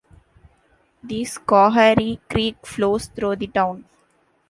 The Schoharie Creek flows through the town.